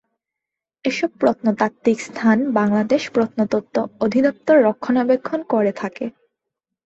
এসব প্রত্নতাত্ত্বিক স্থান বাংলাদেশ প্রত্নতত্ত্ব অধিদপ্তর রক্ষণাবেক্ষণ করে থাকে।